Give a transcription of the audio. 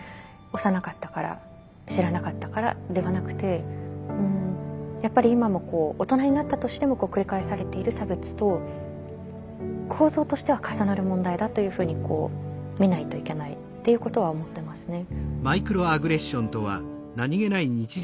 幼かったから知らなかったからではなくてやっぱり今も大人になったとしても繰り返されている差別と構造としては重なる問題だというふうに見ないといけないということは思ってますね。